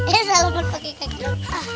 eh salaman pake kaki lo